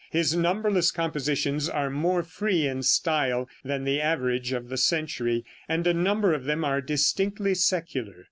His numberless compositions are more free in style than the average of the century, and a number of them are distinctly secular.